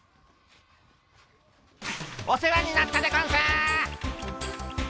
お世話になったでゴンス！